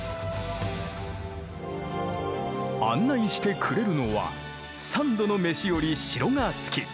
案内してくれるのは三度の飯より城が好き。